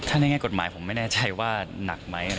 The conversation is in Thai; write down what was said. ถ้าในแง่กฎหมายผมไม่แน่ใจว่าหนักไหม